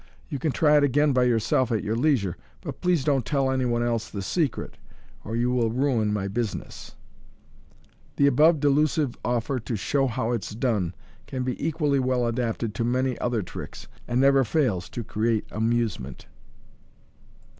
You can try it again by your self at your leisure, but please don't tell any one else the secret, or you will ruin my business.*' The above delusive offer to show '* how it's done n can be equall) well adapted to many other tricks, and never fails to create amuse ment.